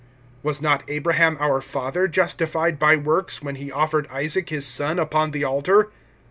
(21)Was not Abraham our father justified by works, when he offered Isaac his son upon the altar?